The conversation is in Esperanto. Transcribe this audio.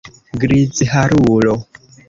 Grizharulo!